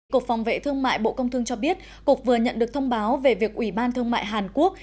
cục phòng vệ thương mại bộ công thương cho biết cục vừa nhận được thông báo về việc ủy ban thương mại hàn quốc